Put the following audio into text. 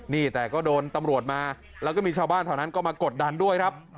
นี่แต่ก็โดนตำรวจมาแล้วก็มีชาวบ้านแถวนั้นก็มากดดันด้วยครับ